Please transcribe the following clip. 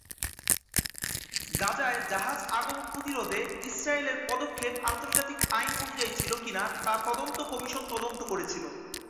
গাজায় জাহাজ আগমন প্রতিরোধে ইসরায়েলের পদক্ষেপ আন্তর্জাতিক আইন অনুযায়ী ছিল কিনা তা তদন্ত কমিশন তদন্ত করেছিল।